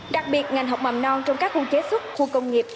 đặc biệt ngành học mầm non trong các khu chế xuất khu công nghiệp